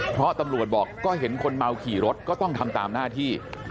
เพราะตำรวจบอกก็เห็นคนเมาขี่รถก็ต้องทำตามหน้าที่